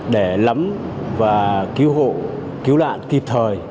để lắm và cứu hộ cứu nạn kịp thời